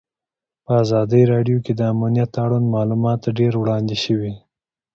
په ازادي راډیو کې د امنیت اړوند معلومات ډېر وړاندې شوي.